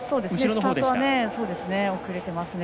スタートは遅れてますね。